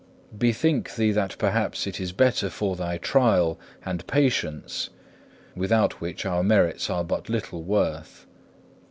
Bethink thee that perhaps it is better for thy trial and patience, without which our merits are but little worth.